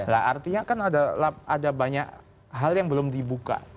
nah artinya kan ada banyak hal yang belum dibuka